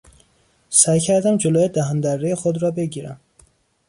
سعی کردم جلو دهاندرهی خود را بگیرم.